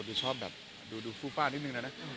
จะชอบแบบดูฟูฟ่านิดนึงนะ